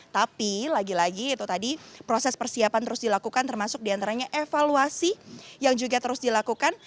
tapi lagi lagi itu tadi proses persiapan terus dilakukan termasuk diantaranya evaluasi yang juga terus dilakukan